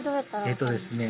えっとですね